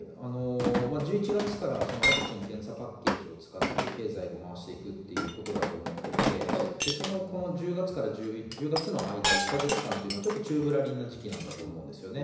１１月からワクチン・検査パッケージを使って経済を回していくということだと思っていて、この１０月の間、１か月間は宙ぶらりんな時期だと思うんですね。